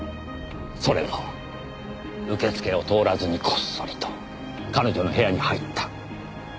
それも受付を通らずにこっそりと彼女の部屋に入った。